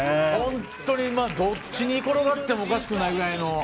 本当にどっちに転がってもおかしくないぐらいの。